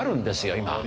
今。